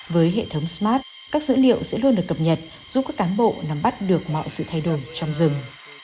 với hệ thống smart các dữ liệu sẽ luôn được cập nhật giúp các cán bộ nắm bắt được mọi sự thay đổi trong rừng